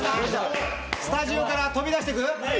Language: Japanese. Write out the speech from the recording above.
スタジオから飛び出してく？